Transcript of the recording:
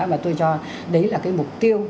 mà tôi cho đấy là cái mục tiêu